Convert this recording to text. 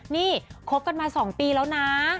นี่คบกันมา๒ปีแล้วนะ